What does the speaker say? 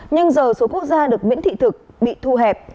nhưng giờ số quốc gia được miễn thị thực bị thu hẹp